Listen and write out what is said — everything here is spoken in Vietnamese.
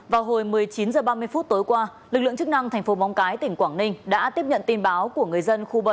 vào hồi một mươi chín h ba mươi phút tối qua lực lượng chức năng thành phố móng cái tỉnh quảng ninh đã tiếp nhận tin báo của người dân khu bảy